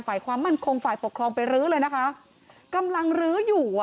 ฝ่ายความมั่นคงฝ่ายปกครองไปรื้อเลยนะคะกำลังลื้ออยู่อ่ะ